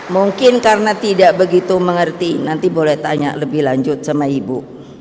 mungkin karena tidak begitu mengerti nanti boleh tanya lebih lanjut sama ibu